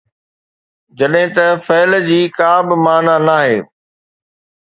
جڏهن ته فعل جي ڪا به معنيٰ ناهي.